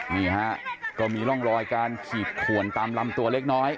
นี่ฮะก็มีร่องรอยการขีดขวนตามลำตัวเล็กน้อย